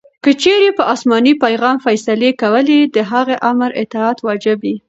کې چیري په اسماني پیغام فیصلې کولې؛ د هغه آمر اطاعت واجب يي.